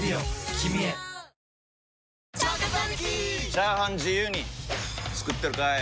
チャーハン自由に作ってるかい！？